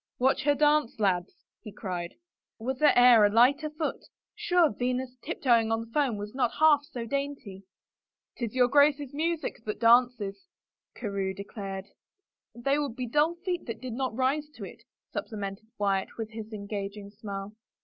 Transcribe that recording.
" Watch her dance, lads," he cried. "Was there e'er a lighter 48 A DANCE WITH A KING foot? Sure, Venus tiptoeing on the foam was not half so dainty I "" 'Tis your Grace's music that dances," Carewe de clared. " They would be dull feet that did not rise to it," supplemented Wyatt with his engaging smile.